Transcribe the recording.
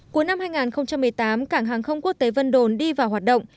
cuối năm hai nghìn một mươi tám cảng hàng không quốc tế vân đồn đi vào hoạt động